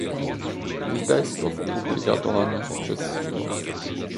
Il testo fu pubblicato l'anno successivo.